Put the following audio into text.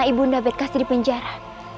karena ibu ndabet kasi di penjara